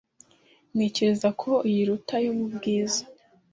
Ntekereza ko iyi iruta iyo mu bwiza.